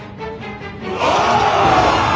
お！